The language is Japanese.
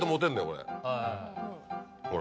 これほら。